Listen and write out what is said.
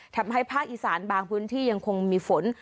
ทำให้ภาคอีสานบางพื้นที่ยังคงมีฝน